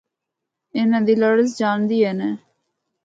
انہاں دی لڑز جانڑی ای نے۔